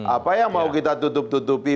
apa yang mau kita tutup tutupi